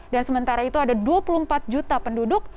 dan sementara itu ada dua puluh empat juta penduduk